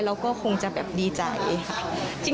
เราก็คงจะแบบดีใจค่ะ